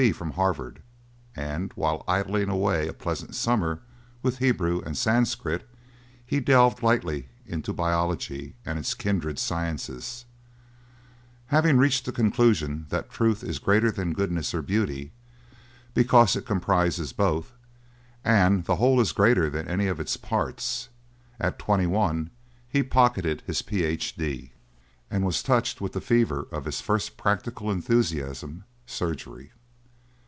B. from Harvard and while idling away a pleasant summer with Hebrew and Sanscrit he delved lightly into biology and its kindred sciences, having reached the conclusion that Truth is greater than Goodness or Beauty, because it comprises both, and the whole is greater than any of its parts; at twenty one he pocketed his Ph.D. and was touched with the fever of his first practical enthusiasm surgery.